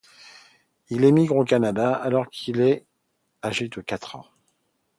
Ils émigrent au Canada alors qu'il est âgé de quatre ans.